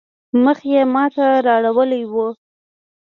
مخ يې ما ته رااړولی وو.